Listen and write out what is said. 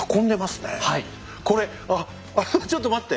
これあっあのちょっと待って！